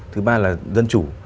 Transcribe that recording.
thứ ba là dân chủ